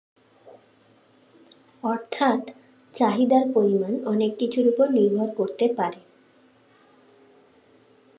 অর্থাৎ, চাহিদার পরিমাণ অনেক কিছুর ওপর নির্ভর করতে পারে।